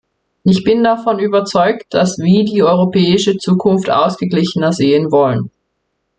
Ich bin davon überzeugt, dass wie die europäische Zukunft ausgeglichener sehen wollen.